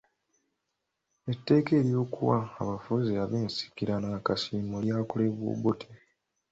Etteeka ly’okuwa abafuzi b’ensikirano akasiimo lyakolebwa Obote.